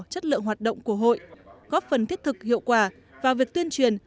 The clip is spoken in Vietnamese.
chất lượng hoạt động của hội góp phần thiết thực hiệu quả vào việc tuyên truyền